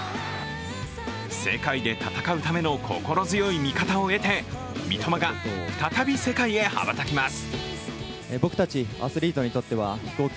世界で戦うための心強い味方をえて、三笘が再び世界へ羽ばたきます。